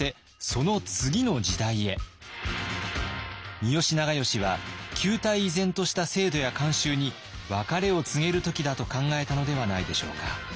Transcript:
三好長慶は旧態依然とした制度や慣習に別れを告げる時だと考えたのではないでしょうか。